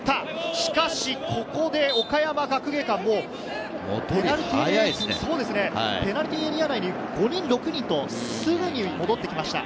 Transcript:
しかし、ここで岡山学芸館、ペナルティーエリア内に５人、６人と、すぐに戻ってきました。